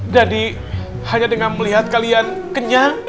jadi hanya dengan melihat kalian kenyang